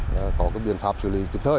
nó có cái biện pháp chữa